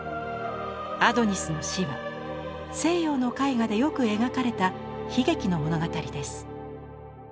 「アドニスの死」は西洋の絵画でよく描かれた悲劇の物語です。